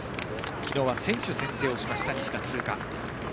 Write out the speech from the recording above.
昨日は選手宣誓をした西田が通過。